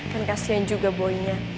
kan kasihan juga boynya